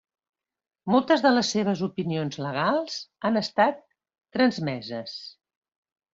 Moltes de les seves opinions legals han estat transmeses.